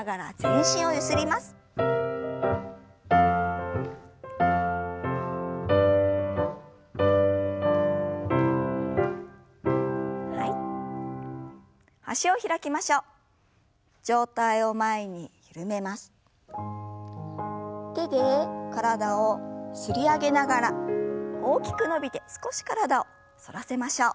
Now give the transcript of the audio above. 手で体を擦り上げながら大きく伸びて少し体を反らせましょう。